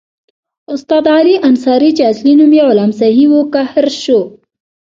استاد علي انصاري چې اصلي نوم یې غلام سخي وو قهر شو.